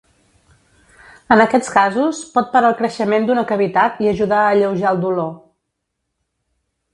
En aquests casos, pot parar el creixement d'una cavitat i ajudar a alleujar el dolor.